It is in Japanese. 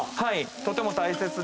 とても大切で。